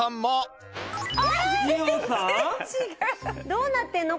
どうなってるの？